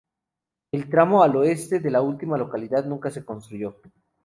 El tramo al oeste de la última localidad nunca se construyó.